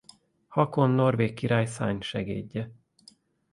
Haakon norvég király szárnysegédje.